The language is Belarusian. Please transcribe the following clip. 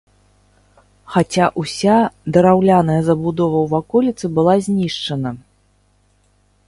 Хаця ўся драўляная забудова ў ваколіцы была знішчана.